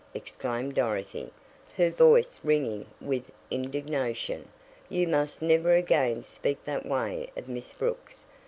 exclaimed Dorothy, her voice ringing with indignation. "You must never again speak that way of Miss Brooks.